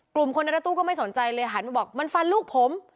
กลุ่มคนในรถตู้ก็ไม่สนใจเลยหันมาบอกมันฟันลูกผม